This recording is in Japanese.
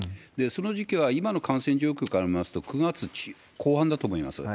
その時期は、今の感染状況から見ますと、９月後半だと思います。